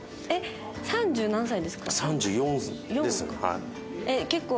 三十何歳ですか？